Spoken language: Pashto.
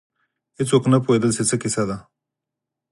هېڅوک نه پوهېدل چې څه کیسه ده.